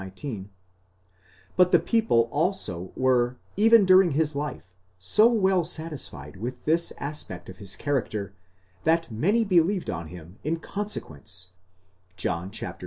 19): but the people also were, even during his life, so well satisfied with this aspect of his character that many believed on him in consequence (John ii.